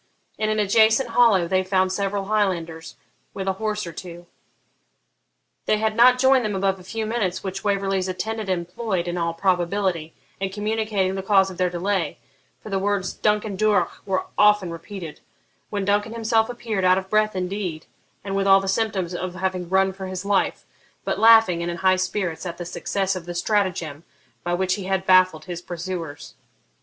In an adjacent hollow they found several Highlanders, with a horse or two. They had not joined them above a few minutes, which Waverley's attendant employed, in all probability, in communicating the cause of their delay (for the words 'Duncan Duroch' were often repeated), when Duncan himself appeared, out of breath indeed, and with all the symptoms of having run for his life, but laughing, and in high spirits at the success of the stratagem by which he had baffled his pursuers.